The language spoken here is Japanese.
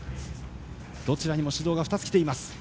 どちらにも指導が２つきています。